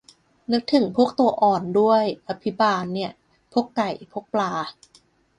นึกถึงพวกตัวอ่อนด้วย อภิบาลเนี่ย พวกไก่ พวกปลา